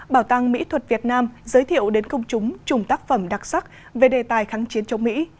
bảo tàng mỹ thuật việt nam giới thiệu đến công chúng chùm tác phẩm đặc sắc về đề tài kháng chiến chống mỹ